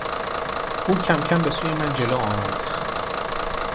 او کمکم به سوی من جلو آمد.